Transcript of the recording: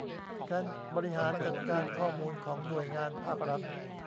การบริหารจัดการข้อมูลของหน่วยงานภาครัฐ